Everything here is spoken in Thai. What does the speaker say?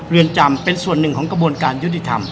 เรือนจำเป็นส่วนหนึ่งของกระบวนการยุติธรรม